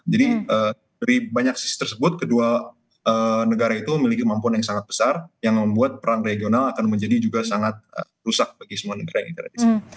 jadi dari banyak sisi tersebut kedua negara itu memiliki kemampuan yang sangat besar yang membuat perang regional akan menjadi juga sangat rusak bagi semua negara yang ada di sini